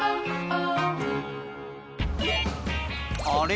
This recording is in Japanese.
あれ？